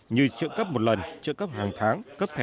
như trợ cấp một lần trợ cấp hàng tháng